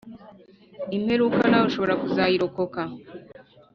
imperuka nawe ushobora kuzayirokoka.